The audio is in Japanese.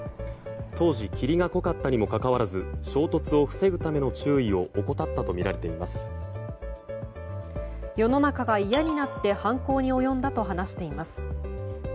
当時霧が濃かったにもかかわらず衝突を防ぐための注意を世の中がいやになって犯行に及んだと話しています。